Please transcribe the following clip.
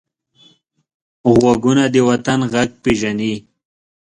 غوږونه د وطن غږ پېژني